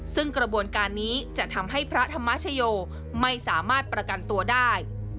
ซึ่งกระบวนการนี้จะทำให้พระธรรมชโยไม่สามารถประกันตัวได้